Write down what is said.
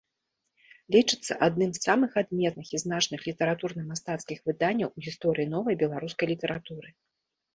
Лічыцца адным з самых адметных і значных літаратурна-мастацкіх выданняў у гісторыі новай беларускай літаратуры.